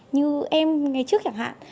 như em ngày trước chẳng hạn